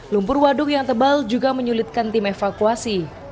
lumpur waduk yang tebal juga menyulitkan tim evakuasi